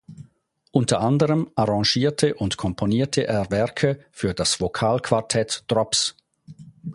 Unter anderem arrangierte und komponierte er Werke für das Vokalquartett Drops.